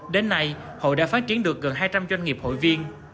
đến nay hội đã phát triển được gần hai trăm linh doanh nghiệp hội viên